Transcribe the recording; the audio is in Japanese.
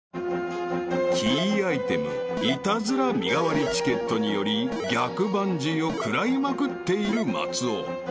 ［キーアイテムイタズラ身代わりチケットにより逆バンジーを食らいまくっている松尾］